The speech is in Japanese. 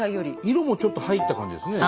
色もちょっと入った感じですね